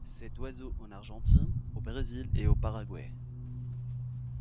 Cet oiseau en Argentine, au Brésil et au Paraguay.